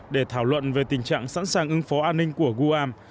để thảo luận về tình trạng sẵn sàng ứng phó an ninh của guam